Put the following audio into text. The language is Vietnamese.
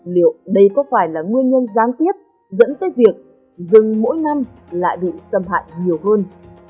liệu đây có phải là nguyên nhân gián tiếp dẫn tới việc rừng mỗi năm lại bị xâm hại nhiều hơn